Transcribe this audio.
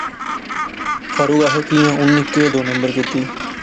فاروقے آخیا کیاں اُنی کیہہ دو نمبر کیتی